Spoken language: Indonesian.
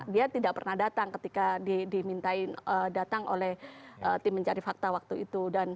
dia tidak pernah datang ketika dimintain datang oleh tim mencari fakta waktu itu